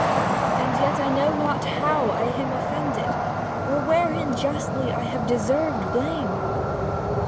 And yet I know not how I him offended, 25 Or wherein justly I have deserved blame.